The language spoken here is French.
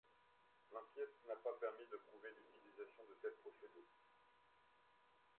L'enquête n'a pas permis de prouver l'utilisation de tel procédé.